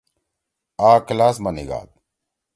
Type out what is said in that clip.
آ کلاس ما نِگھاد۔